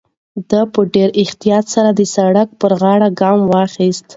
ده په ډېر احتیاط سره د سړک پر غاړه قدم واخیست.